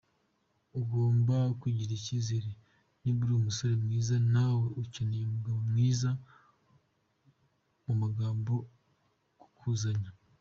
Ugomba kwigirira icyizere, niba ari umusore mwiza na we akeneye umugabo mwiza, mugomba kuzuzanya.